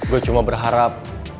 gue cuma berharap